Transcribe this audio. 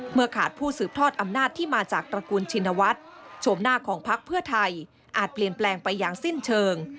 ขาดผู้สืบทอดอำนาจที่มาจากตระกูลชินวัฒน์โชมหน้าของพักเพื่อไทยอาจเปลี่ยนแปลงไปอย่างสิ้นเชิง